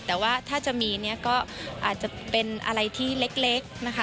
แต่ว่าถ้าจะมีก็อาจจะเป็นอะไรที่เล็ก